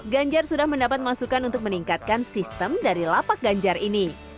ganjar sudah mendapat masukan untuk meningkatkan sistem dari lapak ganjar ini